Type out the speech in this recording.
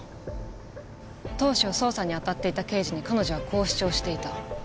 当初捜査にあたっていた刑事に彼女はこう主張していた。